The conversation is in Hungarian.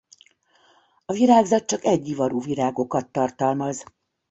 A virágzat csak egyivarú virágokat tartalmaz.